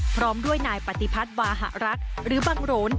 พร้อมด้วยนายปฏิพัฒน์วาหะรักหรือบังโรน